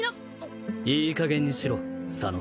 いいかげんにしろ左之。